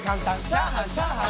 チャーハンチャーハン。